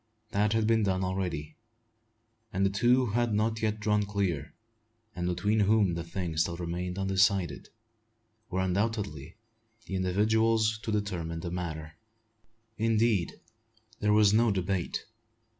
That had been done already; and the two who had not yet drawn clear and between whom the thing still remained undecided were undoubtedly the individuals to determine the matter. Indeed, there was no debate.